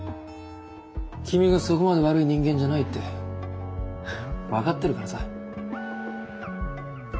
君がそこまで悪い人間じゃないって分かってるからさ。